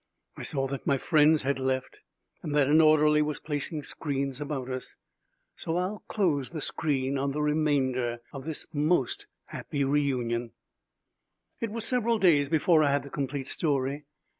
I saw that my friends had left and that an orderly was placing screens about us. So I'll close the screen on the remainder of this most happy reunion. It was several days before I had the complete story.